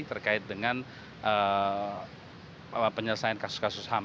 terkait dengan penyelesaian kasus kasus ham